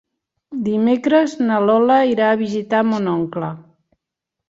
Dimecres na Lola irà a visitar mon oncle.